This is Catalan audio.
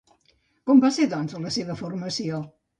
Com va ser, doncs, la seva formació?